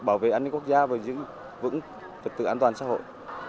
bảo vệ an ninh quốc gia và giữ vững thực tực an toàn xã hội